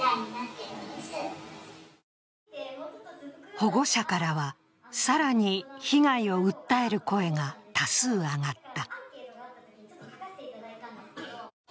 保護者からは、更に被害を訴える声が多数挙がった。